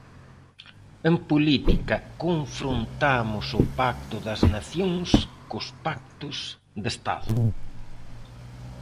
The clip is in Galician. En política confrontamos o pacto das nacións cos pactos de Estado.